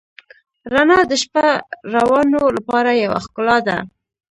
رڼا د شپهروانو لپاره یوه ښکلا ده.